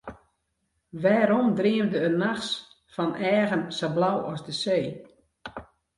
Wêrom dreamde er nachts fan eagen sa blau as de see?